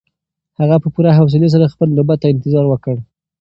هغه په پوره حوصلي سره خپله نوبت ته انتظار وکړ.